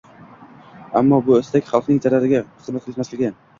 Ammo bu istak xalqning zarariga xizmat qilmasligi